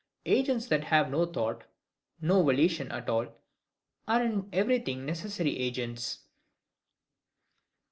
Agents that have no thought, no volition at all, are in everything NECESSARY AGENTS.